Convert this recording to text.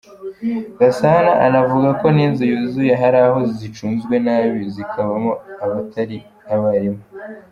Gasana anavuga ko n’inzu zuzuye hari aho zicunzwe nabi zikabamo abatari abarimu.